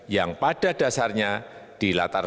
yang pada dasarnya dilatar